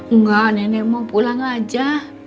enggak nenek mau pulang aja